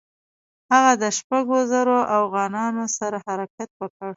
هغه د شپږو زرو اوغانانو سره حرکت وکړ.